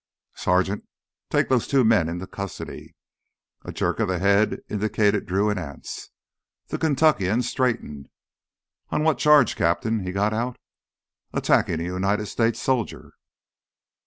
"Sergeant, take those two men into custody." A jerk of the head indicated Drew and Anse. The Kentuckian straightened. "On what charge, Captain?" he got out. "Attacking a United States soldier."